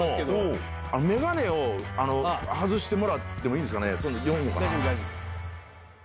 眼鏡を外してもらってもいいですかね？